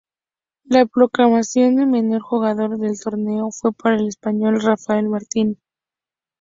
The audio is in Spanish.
La proclamación de mejor jugador del torneo fue para el español Rafael Martín.